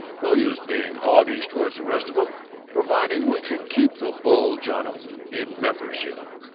No use being hoggish toward the rest of 'em, providing we can keep the bulge on 'em in membership.